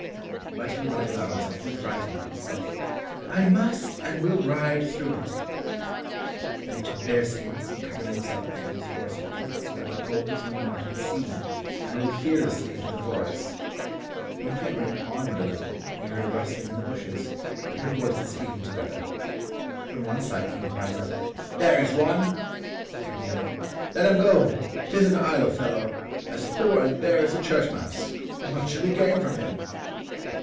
But he would not allow himself to be frightened, and said, "I must and will ride through it." Then he took bear skins and covered himself and his horse with them, so that the gold was no more to be seen, and rode fearlessly into the forest. When he had ridden onward a little he heard a rustling in the bushes, and heard voices speaking together. From one side came cries of, "There is one," but from the other, "Let him go, 'tis an idle fellow, as poor and bare as a church mouse, what should we gain from him?"